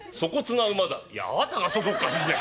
「いやあなたがそそっかしい」。